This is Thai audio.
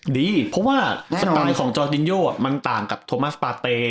ดีเพราะว่าสไตล์ของจอร์ตินโยมันต่างกับโทมัสปาเต